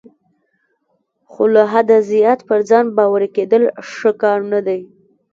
خو له حده زیات پر ځان باوري کیدل ښه کار نه دی.